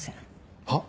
はっ？